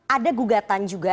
ada gugatan juga